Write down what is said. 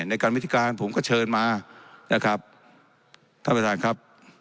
ในการวิธีการผมก็เชิญมานะครับท่านประธานครับ